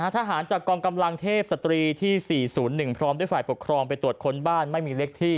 ทหารจากกองกำลังเทพสตรีที่๔๐๑พร้อมด้วยฝ่ายปกครองไปตรวจค้นบ้านไม่มีเลขที่